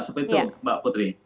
seperti itu mbak putri